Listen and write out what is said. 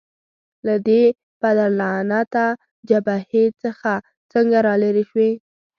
له دې پدرلعنته جبهې څخه څنګه رالیري شوې؟